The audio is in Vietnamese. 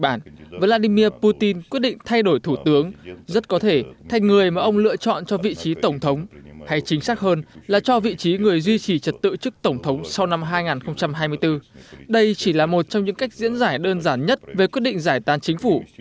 nhật bản vladimir putin quyết định thay đổi thủ tướng rất có thể thành người mà ông lựa chọn cho vị trí tổng thống hay chính xác hơn là cho vị trí người duy trì trật tự chức tổng thống sau năm hai nghìn hai mươi bốn đây chỉ là một trong những cách diễn giải đơn giản nhất về quyết định giải tàn chính phủ